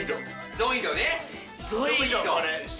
ゾイドね。